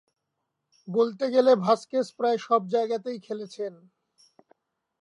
বলতে গেলে ভাসকেস প্রায় সব জায়গাতেই খেলেছেন।